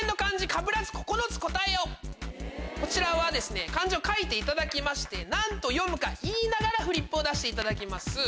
こちらは漢字を書いていただきまして何と読むか言いながらフリップを出していただきます。